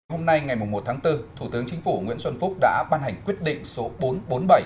hôm nay ngày một tháng bốn thủ tướng chính phủ nguyễn xuân phúc đã ban hành quyết định số bốn trăm bốn mươi bảy